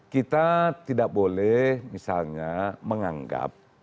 kita tidak boleh misalnya menganggap